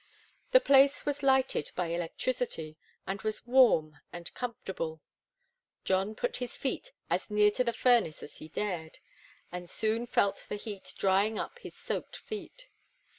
The place was lighted by electricity, and was warm and comfortable. John put his feet as near to the furnace as he dared, and soon felt the heat drying up his soaked feet.